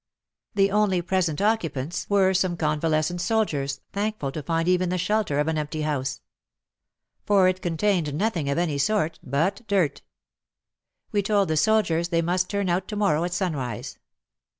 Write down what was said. The only present occupants were some '■.^»» WAR AND WOMEN 107 convalescent soldiers thankful to find even the shelter of an empty house. For it contained nothing of any sort but dirt. We told the soldiers they must turn out to morrow at sun rise.